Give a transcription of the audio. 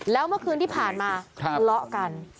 แล้วเมื่อคืนที่ผ่านมาทะเลาะกัน